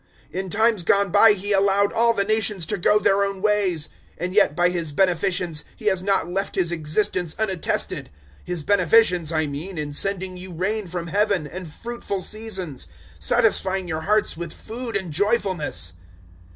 014:016 In times gone by He allowed all the nations to go their own ways; 014:017 and yet by His beneficence He has not left His existence unattested His beneficence, I mean, in sending you rain from Heaven and fruitful seasons, satisfying your hearts with food and joyfulness."